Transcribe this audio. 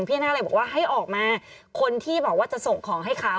น่าเลยบอกว่าให้ออกมาคนที่บอกว่าจะส่งของให้เขา